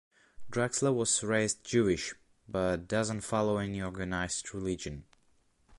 Drexler was raised Jewish, but does not follow any organized religion.